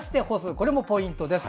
これもポイントです。